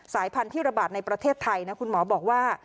พันธุ์ที่ระบาดในประเทศไทยนะคุณหมอบอกว่า